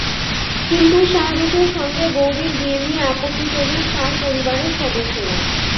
কিন্তু শাহরুখের সঙ্গে গৌরীর বিয়ে নিয়ে আপত্তি তোলেন তাঁর পরিবারের সদস্যরা।